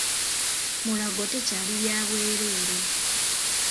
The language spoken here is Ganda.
Mulago tekyali bya bwereere